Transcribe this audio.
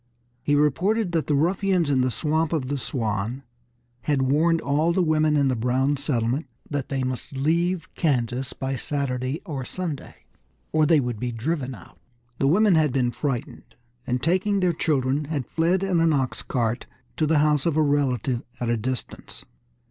He reported that the ruffians in the Swamp of the Swan had warned all the women in the Brown settlement that they must leave Kansas by Saturday or Sunday, or they would be driven out. The women had been frightened, and taking their children, had fled in an ox cart to the house of a relative at a distance.